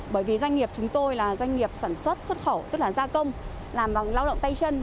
bởi vì doanh nghiệp chúng tôi là doanh nghiệp sản xuất xuất khẩu tức là gia công làm bằng lao động tay chân